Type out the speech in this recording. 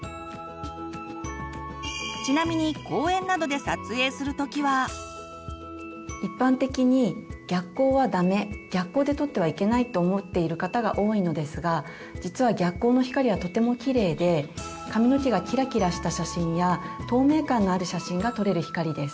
ちなみに一般的に逆光はダメ逆光で撮ってはいけないと思っている方が多いのですが実は逆光の光はとてもきれいで髪の毛がキラキラした写真や透明感のある写真が撮れる光です。